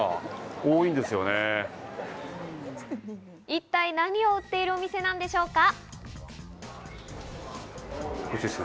一体、何を売っているお店なんでしょうか？